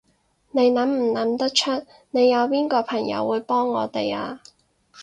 你諗唔諗得出，你有邊個朋友會幫我哋啊？